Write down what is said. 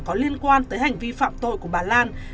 có liên quan tới hành vi phạm tội của bà lan